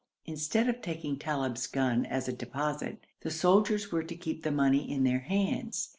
Instead of taking Talib's gun as a deposit, the soldiers were to keep the money in their hands.